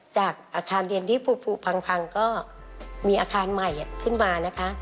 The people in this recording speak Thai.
จากอาคารเรียนที่ภูพังก็มีอาคารใหม่ขึ้นมานะคะ